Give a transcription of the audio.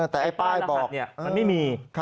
แต่ป้ายรหัสมันไม่มี